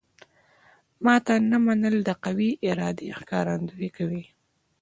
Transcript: ماته نه منل د قوي ارادې ښکارندوی کوي